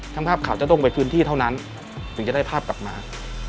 ภาพข่าวจะต้องไปพื้นที่เท่านั้นถึงจะได้ภาพกลับมา